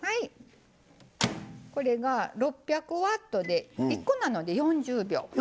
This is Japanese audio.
これが６００ワットで１個なので４０秒。